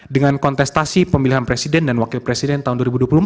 dengan kontestasi pemilihan presiden dan wakil presiden tahun dua ribu dua puluh empat